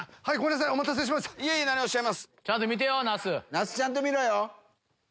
那須ちゃんと見ろよ。